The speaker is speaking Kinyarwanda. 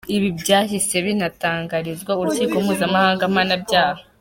Ibi byahise binatangarizwa urukiko mpuzamahanga mpanabyaha.